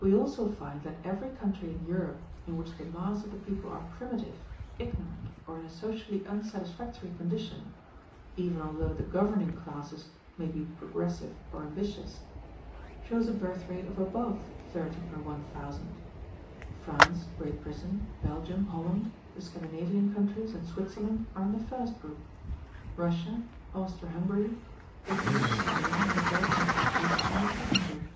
We also find that every country in Europe in which the mass of the people are primitive, ignorant, or in a socially unsatisfactory condition (even although the governing classes may be progressive or ambitious) shows a birth rate of above 30 per 1,000. France, Great Britain, Belgium, Holland, the Scandinavian countries, and Switzerland are in the first group. Russia, Austro Hungary, Italy, Spain, and the Balkan countries are in the second group.